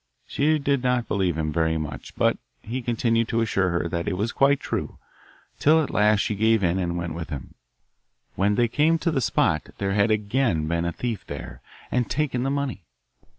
She did not believe him very much, but he continued to assure her that it was quite true, till at last she gave in and went with him. When they came to the spot there had again been a thief there and taken the money.